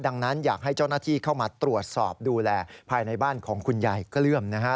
ดังนั้นอยากให้เจ้าหน้าที่เข้ามาตรวจสอบดูแลภายในบ้านของคุณยายเกลื้อมนะฮะ